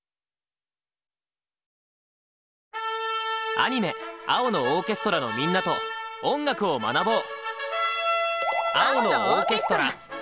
アニメ「青のオーケストラ」のみんなと音楽を学ぼう！